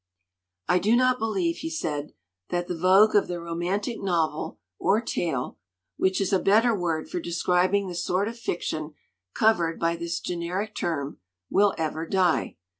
"I do not believe," he said, "that the vogue of the romantic novel, or tale (which is a better word for describing the sort of fiction covered by this generic term), will ever die.